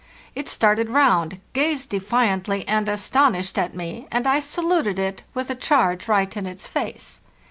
It started round, gazed defiantly and astonished at me, and I saluted it with a charge right in its face.